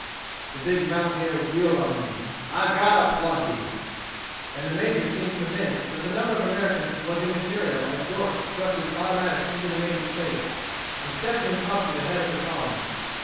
The big mountaineer wheeled on him: "I got a plenty!" And the major seemed convinced that the number of the Americans was immaterial as York thrust his automatic into the major's face and stepped him up to the head of the column.